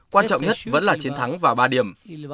quan trọng nhất vẫn là chiến thắng và ba điểm